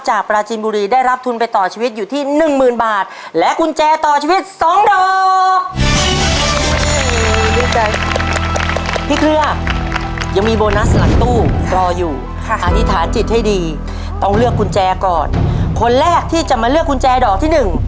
จากปราจินบุรีได้รับทุนไปต่อชีวิตอยู่ที่หนึ่งหมื่นบาท